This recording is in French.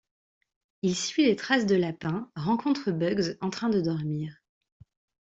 Il suit les traces de lapin, rencontre Bugs en train de dormir.